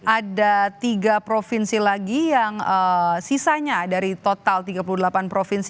ada tiga provinsi lagi yang sisanya dari total tiga puluh delapan provinsi